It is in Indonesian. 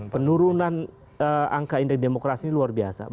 penurunan angka indeks demokrasi ini luar biasa